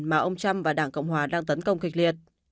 mà ông trump và đảng cộng hòa đang tấn công kịch liệt